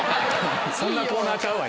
そんなコーナーちゃうわ